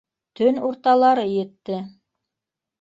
Төн урталары етте.